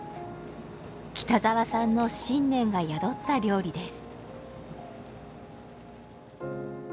北沢さんの信念が宿った料理です。